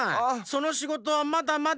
そのしごとはまだまだ。